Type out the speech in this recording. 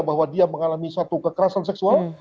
bahwa dia mengalami satu kekerasan seksual